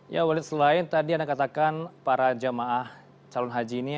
ya walid selain tadi anda katakan para jamaah calon haji ini